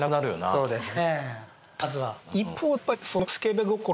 そうですね。